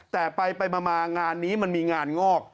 แต่ไปมางานนี้มันมีงานงอก